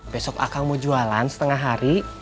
besok akan mau jualan setengah hari